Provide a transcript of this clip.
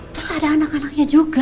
terus ada anak anaknya juga